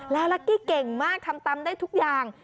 แล้วลักกี้เก่งมากทำตำได้ทุกอย่าง